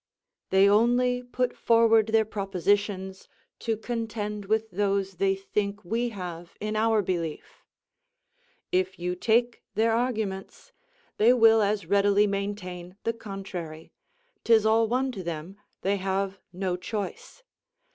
They only put forward their propositions to contend with those they think we have in our belief. If you take their arguments, they will as readily maintain the contrary; 'tis all one to them, they have no choice.